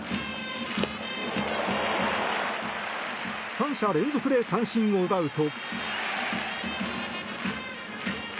３者連続で三振を奪うと。